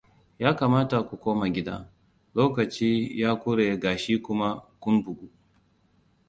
Yakamata ku koma gida. Lokaci ya kure ga shi kuma kun bugu.